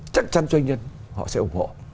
chắc chắn cho nhân họ sẽ ủng hộ